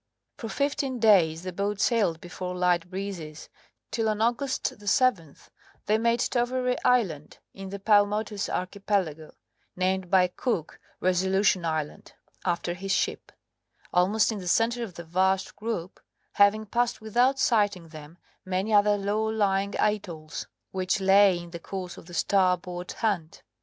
For fifteen days the boat sailed before light breezes, till on August 7th they made Tawere Island in the Paumotus Archipelago (named by Cook "Resolution Island" after his ship) almost in the centre of the vast group, having passed without sighting them many other low lying atolls which lay in their course on the starboard hand.